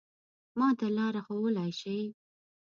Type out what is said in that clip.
ما ته لاره ښوولای شې؟